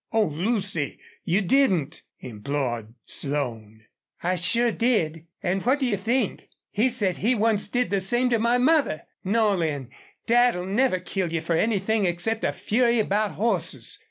"Oh, Lucy! you didn't?" implored Slone. "I sure did. And what do you think? He said he once did the same to my mother! ... No, Lin, Dad'd never kill you for anything except a fury about horses.